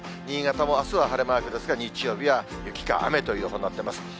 新潟もあすは晴れマークですが、日曜日は雪か雨という予報になっています。